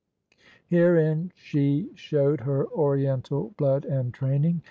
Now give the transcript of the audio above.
Herein she showed her oriental blood and training.